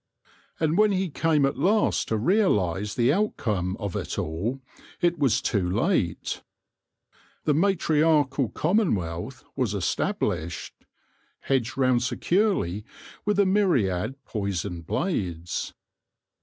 And when he came at last to realise the outcome of it all, it was too late. The matriarchal commonwealth was established, hedged round securely with a myriad poisoned blades.